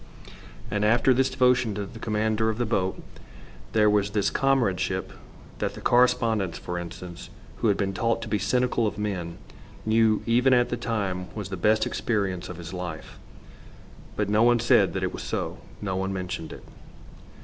And after this devotion to the commander of the boat there was this comradeship that the correspondent, for instance, who had been taught to be cynical of men, knew even at the time was the best experience of his life. But no one said that it was so. No one mentioned it.